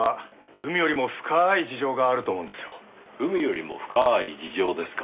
海よりも深ーい事情ですか。